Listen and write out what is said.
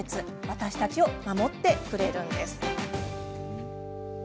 私たちを守ってくれます。